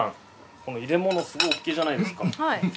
この入れ物すごい大きいじゃないですか。